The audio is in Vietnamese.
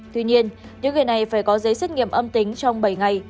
tuy nhiên những người này phải có giấy xét nghiệm âm tính trong bảy ngày